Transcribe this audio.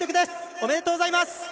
おめでとうございます。